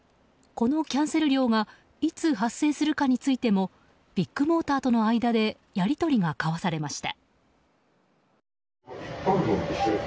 このキャンセル料がいつ発生するかについてもビッグモーターとの間でやり取りが交わされました。